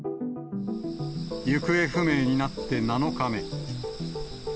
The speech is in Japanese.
行方不明になって７日目。